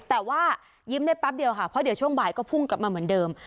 แต่ว่ายิ้มได้แป๊บเดียวค่ะเพราะเดี๋ยวช่วงบ่ายก็พุ่งกลับมาเหมือนเดิม